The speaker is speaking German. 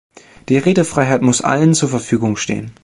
Die Redefreiheit muss allen zur Verfügung stehen.